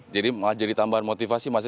jadi malah jadi tambahan motivasi mas